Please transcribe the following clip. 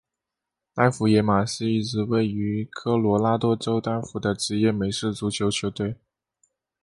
丹佛野马是一支位于科罗拉多州丹佛的职业美式足球球队。